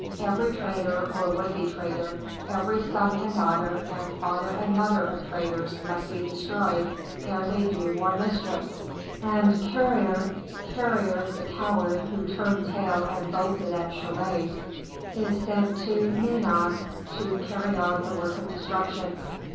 Every traitor or would be traitor every son and daughter and father and mother of traitors must be destroyed ere they do more mischief. And Carrier Carrier the coward who turned tail and bolted at Cholet is sent to Nantes to carry on the work of destruction.